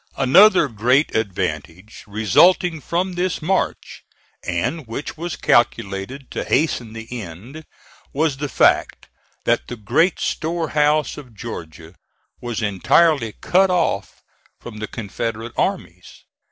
Another great advantage resulting from this march, and which was calculated to hasten the end, was the fact that the great storehouse of Georgia was entirely cut off from the Confederate armies.